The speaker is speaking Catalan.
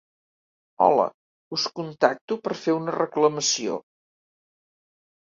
Hola, us contacto per fer una reclamació.